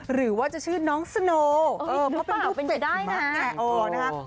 หรือว่าจะชื่อน้องสโน่เพราะเป็นรูปเจ็ดหิมะแอโอนะฮะ